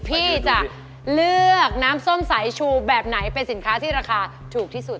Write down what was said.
พี่จะเลือกน้ำส้มสายชูแบบไหนเป็นสินค้าที่ราคาถูกที่สุด